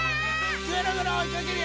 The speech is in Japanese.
ぐるぐるおいかけるよ！